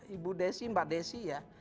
ibu desi mbak desi ya